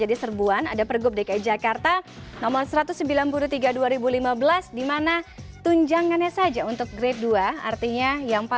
ini adalah yang pertama